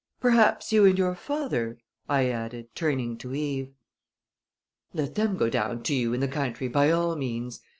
Perhaps you and your father " I added, turning to Eve. "Let them go down to you in the country by all means!"